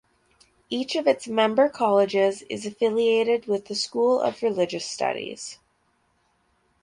Each of its member colleges is affiliated with the School of Religious Studies.